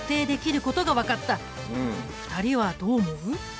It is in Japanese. ２人はどう思う？